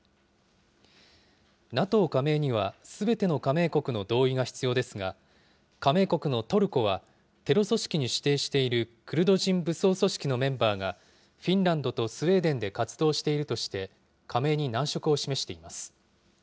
ＮＡＴＯ加盟にはすべての加盟国の同意が必要ですが、加盟国のトルコは、テロ組織に指定しているクルド人武装組織のメンバーが、フィンランドとスウェーデンで活動しているとして、加盟に難色を示しています。